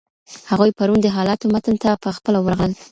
هغوی پرون د حالاتو متن ته په خپله ورغلل.